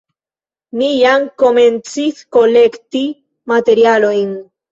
Mi jam komencis kolekti materialojn.